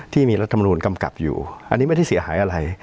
ที่มีรัฐมนูลกำกับอยู่อันนี้ไม่ได้เสียหายอะไร